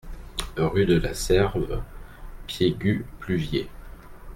Rue de la Serve, Piégut-Pluviers